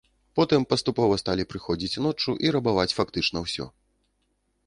Потым паступова сталі прыходзіць ноччу і рабаваць фактычна ўсё.